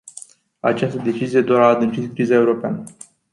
Această decizie doar a adâncit criza europeană.